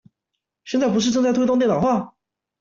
現在不是正在推動電腦化？